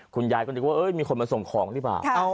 คุณยายก็นึกว่ามีคนมาส่งของหรือเปล่า